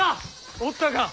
おったか？